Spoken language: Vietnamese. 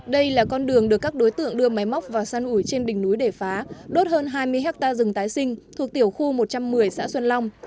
đây là con đường được các đối tượng đưa máy móc vào săn ủi trên đỉnh núi để phá đốt hơn hai mươi hectare rừng tái sinh thuộc tiểu khu một trăm một mươi xã xuân long